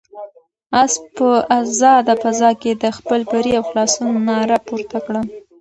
آس په آزاده فضا کې د خپل بري او خلاصون ناره پورته کړه.